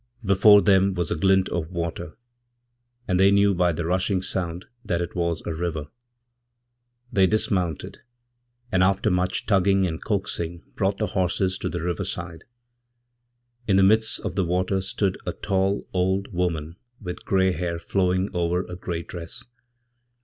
Before them was a glint of water, and they knewby the rushing sound that it was a river. They dismounted, and aftermuch tugging and coaxing brought the horses to the river side. In themidst of the water stood a tall old woman with grey hair flowing overa grey dress.